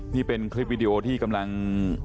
นี่เป็นคลิปวิดีโอที่กำลัง